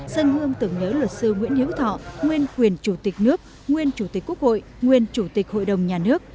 dân hương tưởng nhớ luật sư nguyễn hữu thọ nguyên quyền chủ tịch nước nguyên chủ tịch quốc hội nguyên chủ tịch hội đồng nhà nước